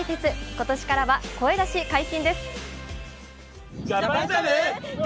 今年からは声出し解禁です。